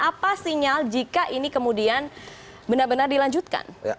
apa sinyal jika ini kemudian benar benar dilanjutkan